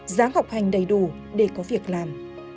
dáng học hành đầy đủ để có việc làm